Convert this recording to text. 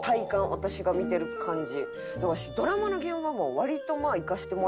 私が見てる感じ。